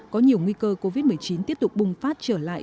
có nhiều nguy cơ covid một mươi chín tiếp tục bùng phát trở lại